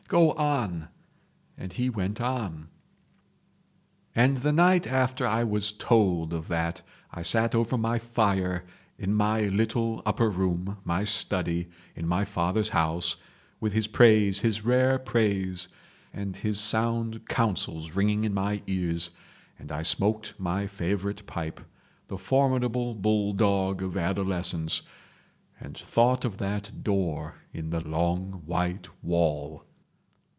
Go on!' and he went on ... "I got my scholarship. And the night after I was told of that I sat over my fire in my little upper room, my study, in my father's house, with his praise—his rare praise—and his sound counsels ringing in my ears, and I smoked my favourite pipe—the formidable bulldog of adolescence—and thought of that door in the long white wall.